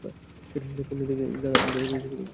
পোন্নি দিদি, আমি কিছু করিনি।